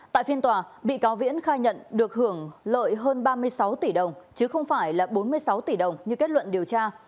tại phiên tòa bị cáo viễn khai nhận được hưởng lợi hơn ba mươi sáu tỷ đồng chứ không phải là bốn mươi sáu tỷ đồng như kết luận điều tra